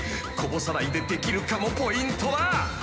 こぼさないでできるかもポイントだ。